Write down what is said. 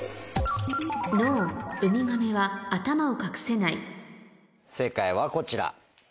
ウミガメは頭を隠せない正解はこちら。